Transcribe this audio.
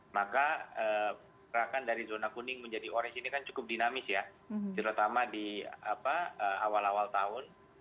maka perakan dari zona kuning menjadi orange ini kan cukup dinamis ya terutama di awal awal tahun